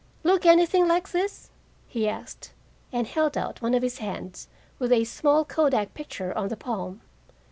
"Look anything like this?" he asked, and held out one of his hands, with a small kodak picture on the palm.